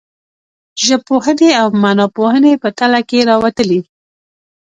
ژبپوهنې او معناپوهنې په تله کې راوتلي.